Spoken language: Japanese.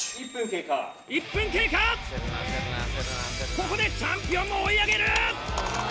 ここでチャンピオンも追い上げる！